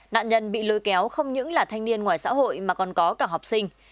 nạn nhân bị lôi kéo không những là thanh niên ngoài xã hội mà còn có cả học sinh